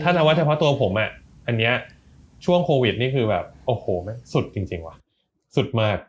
ถ้าเฉพาะตัวผมอ่ะช่วงโควิดนี่คือแบบโอ้โหสุดจริงสุดมาก